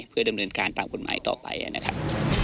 เพื่อดำเนินการตามกฎหมายต่อไปนะครับ